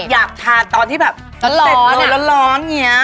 แล้วก็อยากทาตอนที่แบบเสร็จแล้วแล้วร้อนอย่างเงี้ย